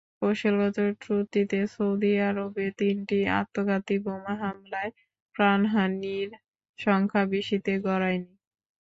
কৌশলগত ত্রুটিতে সৌদি আরবে তিনটি আত্মঘাতী বোমা হামলায় প্রাণহানির সংখ্যা বেশিতে গড়ায়নি।